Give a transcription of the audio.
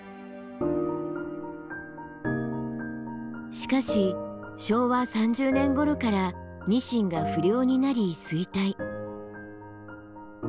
しかし昭和３０年ごろからニシンが不漁になり衰退。